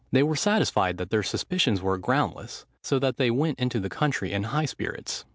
They were satisfied that their suspicions were groundless; so that they went into the country in high spirits.